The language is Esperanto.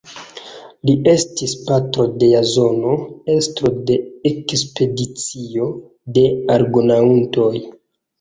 Li estis patro de Jazono, estro de ekspedicio de Argonaŭtoj.